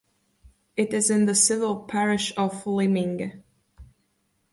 It is in the civil parish of Lyminge.